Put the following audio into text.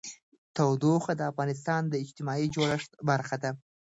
تودوخه د افغانستان د اجتماعي جوړښت برخه ده.